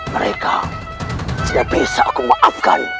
mereka tidak bisa aku maafkan